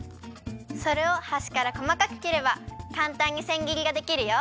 それをはしからこまかくきればかんたんにせんぎりができるよ。